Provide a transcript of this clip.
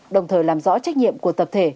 đồng thời làm rõ trách nhiệm của tập thể